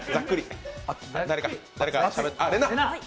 誰か。